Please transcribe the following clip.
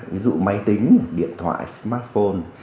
ví dụ máy tính điện thoại smartphone